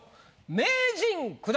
名人９段